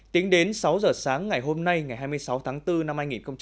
tính đến sáu giờ sáng ngày hôm nay ngày hai mươi sáu tháng bốn năm hai nghìn hai mươi